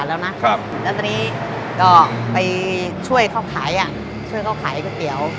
แล้วตอนนี้ก็ไปช่วยเขาขายอ่ะช่วยเขาขายก๋วยเตี๋ยว